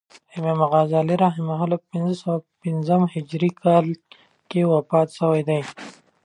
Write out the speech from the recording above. امام غزالی رحمة الله په پنځه سوه پنځم هجري کال کښي وفات سوی دئ.